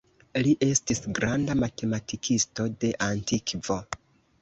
Li estis granda matematikisto de antikvo.